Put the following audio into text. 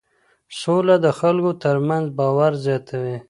سوله د خلکو ترمنځ باور زیاتوي.